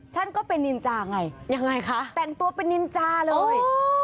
ฉันก็เป็นนินจาไงยังไงคะแต่งตัวเป็นนินจาเลย